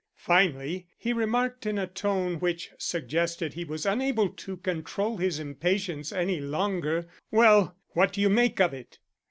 Finally he remarked in a tone which suggested he was unable to control his impatience any longer: "Well, what do you make of it?"